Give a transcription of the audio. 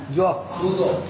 どうぞ。